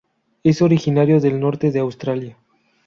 Es originario del norte de Australia.